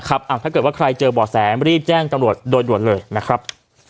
ถ้าเกิดว่าใครเจอบ่อแสรีบแจ้งตำรวจโดยด่วนเลยนะครับ